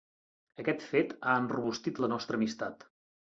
Aquest fet ha enrobustit la nostra amistat.